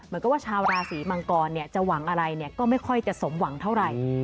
เหมือนกับว่าชาวราศีมังกรจะหวังอะไรก็ไม่ค่อยจะสมหวังเท่าไหร่